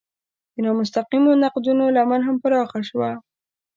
د نامستقیمو نقدونو لمن هم پراخه شوه.